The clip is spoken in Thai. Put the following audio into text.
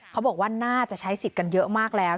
เขาบอกว่าน่าจะใช้สิทธิ์กันเยอะมากแล้ว